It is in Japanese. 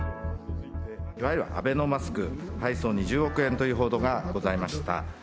いわゆるアベノマスク配送に１０億円という報道がございました。